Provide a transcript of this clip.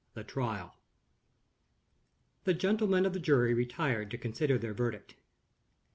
The Trial. THE gentlemen of the jury retired to consider their verdict.